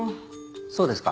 そうですか。